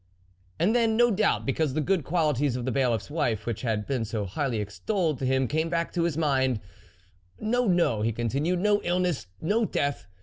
" And then, no doubt because the good qualities of the Bailiffs wife which had been so highly extolled to him came back to his mind :" No, no," he continued, " no illness, no death!